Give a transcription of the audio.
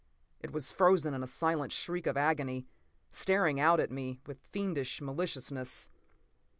It was frozen in a silent shriek of agony, staring out at me with fiendish maliciousness.